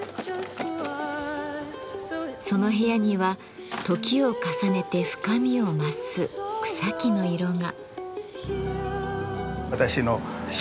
その部屋には時を重ねて深みを増す草木の色が。